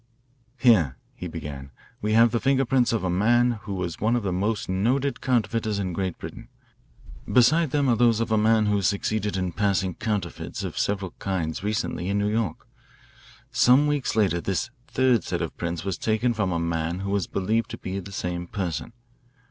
"Here," he began, "we have the finger prints of a man who was one of the most noted counterfeiters in Great Britain. Beside them are those of a man who succeeded in passing counterfeits of several kinds recently in New York. Some weeks later this third set of prints was taken from a man who was believed to be the same person."